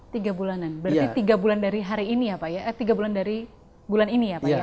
tiga bulanan berarti tiga bulan dari hari ini ya pak ya eh tiga bulan dari bulan ini ya pak ya